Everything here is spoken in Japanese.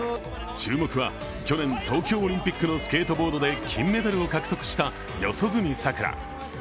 注目は、去年東京オリンピックのスケートボードで金メダルを獲得した四十住さくら。